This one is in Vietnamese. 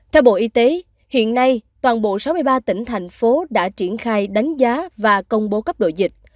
theo bộ y tế hiện nay toàn bộ sáu mươi ba tỉnh thành phố đã triển khai đánh giá và công bố cấp độ dịch